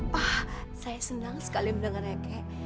wah saya senang sekali mendengarnya kek